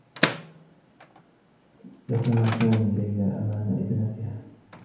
لكم سامي ليلى أمام ابنتها.